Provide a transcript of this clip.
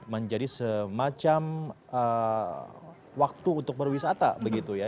menjadi semacam waktu untuk berwisata begitu ya